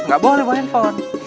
gak boleh mau handphone